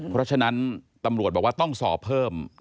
เพราะฉะนั้นตำรวจบอกว่าต้องสอบเพิ่ม